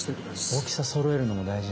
大きさそろえるのも大事なんですね。